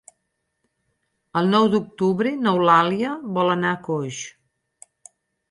El nou d'octubre n'Eulàlia vol anar a Coix.